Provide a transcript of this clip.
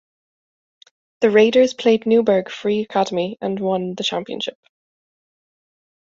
The Raiders played Newburgh Free Academy and won the championship.